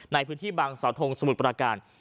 ในพื้นที่บางสาวทงสมุทรประการ